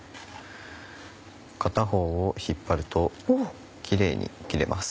片方を引っ張るとキレイに切れます。